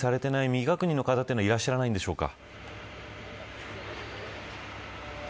未確認の方はいらっしゃらないんでしょうか。